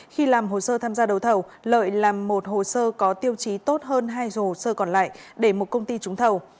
khi làm hồ sơ tham gia đầu thầu lợi làm một hồ sơ có tiêu chí tốt hơn hai hồ sơ còn lại để một công ty trúng thầu